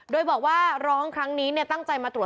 ด้วยบอกว่าร้องครั้งนี้